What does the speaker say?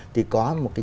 thì có một cái